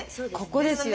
ここですよ。